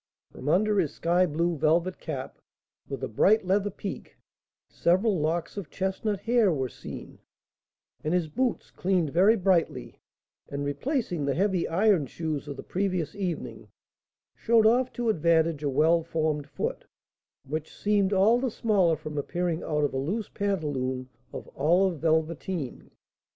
From under his sky blue velvet cap, with a bright leather peak, several locks of chestnut hair were seen; and his boots, cleaned very brightly, and replacing the heavy iron shoes of the previous evening, showed off to advantage a well formed foot, which seemed all the smaller from appearing out of a loose pantaloon of olive velveteen.